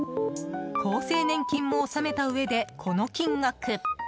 厚生年金も納めたうえでこの金額。